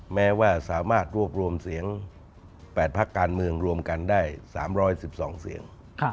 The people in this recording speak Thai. แม้ว่าสามารถรวบรวมเสียง๘พักการเมืองรวมกันได้๓๑๒เสียง